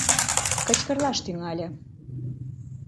Кычкырлаш тӱҥале.